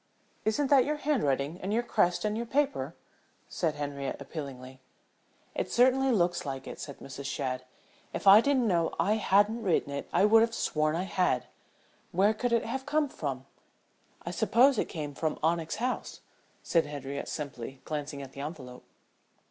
"Isn't that your handwriting and your crest and your paper?" asked Henriette, appealingly. "It certainly looks like it," said Mrs. Shadd. "If I didn't know I hadn't written it I would have sworn I had. Where could it have come from?" "I supposed it came from Onyx House," said Henriette simply, glancing at the envelope.